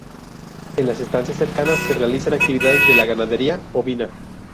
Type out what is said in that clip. En las estancias cercanas se realizan actividades de la ganadería ovina.